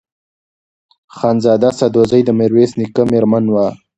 خانزاده سدوزۍ د میرویس نیکه مېرمن وه.